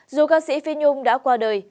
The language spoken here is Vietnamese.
dù ca sĩ phi nhung đã qua đời được hơn một tháng